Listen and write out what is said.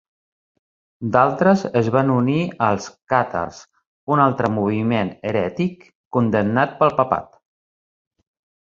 D'altres es van unir als càtars, un altre moviment herètic condemnat pel papat.